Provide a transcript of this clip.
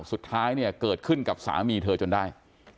สุดท้ายเนี่ยเกิดขึ้นกับสามีเธอจนได้